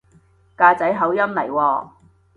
㗎仔口音嚟喎